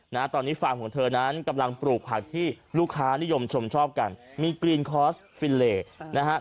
นะฮะตอนนี้ฟาร์มของเธอนั้นกำลังปลูกผักที่ลูกค้านิยมชมชอบกันมีกรีนคอสฟิลเลนะฮะ